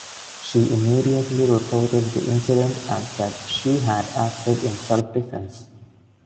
She immediately reported the incident and said she had acted in self-defense.